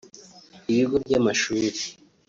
ibigo by’amashuri